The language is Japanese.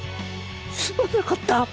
すまなかった！